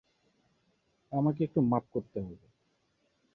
আমাকে একটু মাপ করতে হবে।